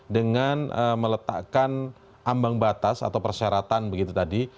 dengan meletakkan ambang batas atau persyaratan begitu tadi